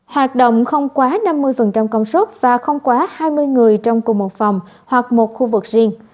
hoạt động không quá năm mươi công suất và không quá hai mươi người trong cùng một phòng hoặc một khu vực riêng